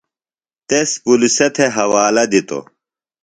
تس پُلِسہ تھےۡ حوالہ دِتوۡ۔